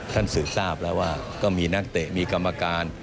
สืบทราบแล้วว่าก็มีนักเตะมีกรรมการ